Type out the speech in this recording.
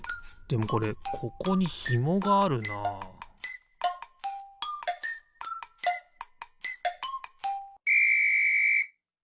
でもこれここにヒモがあるなピッ！